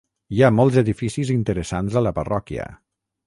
Hi ha molts edificis interessants a la parròquia.